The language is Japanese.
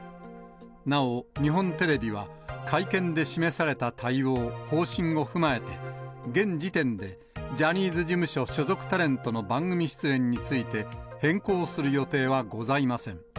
なお、日本テレビは会見で示された対応・方針を踏まえて、現時点でジャニーズ事務所所属タレントの番組出演について、変更する予定はございません。